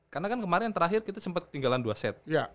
karena kan kemarin terakhir kita sempat ketinggalan dua set